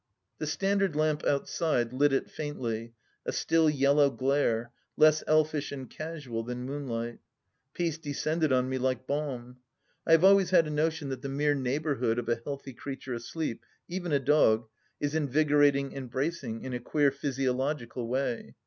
The standard lamp outside lit it faintly, a still yellow glare, less elfish and casual than moonlight. Peace de scended on me like balm. I have always had a notion that the mere neighbourhood of a healthy creature asleep, even a dog, is invigorating and bracing, in a queer physiological way.